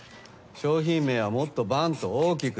商品名はもっとばん！と大きく。